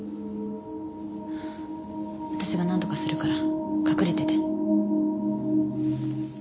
私がなんとかするから隠れてて。